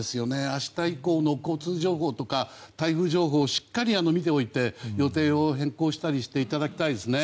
明日以降の交通情報とか台風情報をしっかり見ておいて予定を変更したりしていただきたいですね。